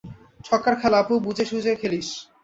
-ছক্কার খেলা অপু বুঝে সুজে খেলিস?